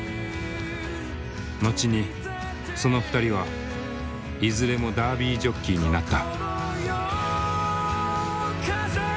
後にその２人はいずれもダービージョッキーになった。